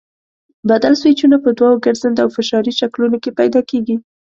بدل سویچونه په دوو ګرځنده او فشاري شکلونو کې پیدا کېږي.